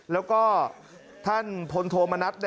แล้วก็ท่านพลโทมณัฐ